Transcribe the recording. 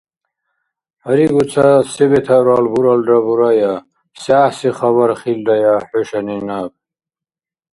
Гьаригу ца се бетаурал буралра бурая. Се гӀяхӀси хабар хилрая хӀушани наб?